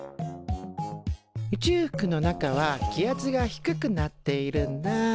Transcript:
宇宙服の中は気圧が低くなっているんだ。